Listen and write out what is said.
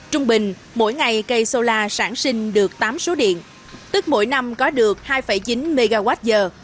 trung bình mỗi ngày cây solar sản sinh được tám số điện tức mỗi năm có được hai chín mw giờ